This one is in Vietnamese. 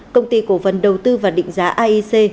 công ty cổ phần đầu tư và định giá aic